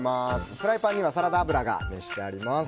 フライパンにはサラダ油が熱してあります。